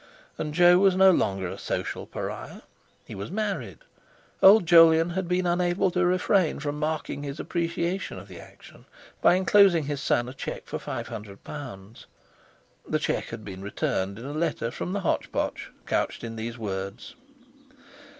And Jo was no longer a social pariah. He was married. Old Jolyon had been unable to refrain from marking his appreciation of the action by enclosing his son a cheque for £500. The cheque had been returned in a letter from the "Hotch Potch," couched in these words.